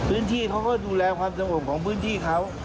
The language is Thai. พื้นที่เขาก็ดูแลความสงบของพื้นที่เขา